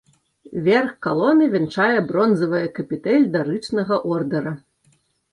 Верх калоны вянчае бронзавая капітэль дарычнага ордэра.